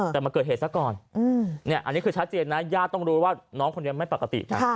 แต่มาเกิดเหตุซะก่อนอันนี้คือชัดเจนนะญาติต้องรู้ว่าน้องคนนี้ไม่ปกตินะ